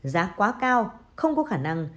giá quá cao không có khả năng